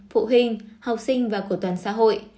phụ huynh học sinh và của toàn xã hội